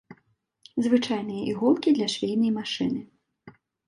Звычайныя іголкі для швейнай машыны.